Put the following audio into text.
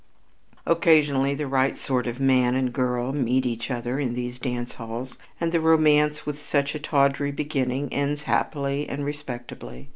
Occasionally the right sort of man and girl meet each other in these dance halls and the romance with such a tawdry beginning ends happily and respectably.